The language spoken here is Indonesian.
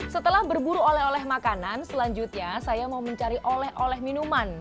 setelah berburu oleh oleh makanan selanjutnya saya mau mencari oleh oleh minuman